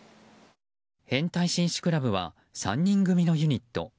変態紳士クラブは３人組のユニット。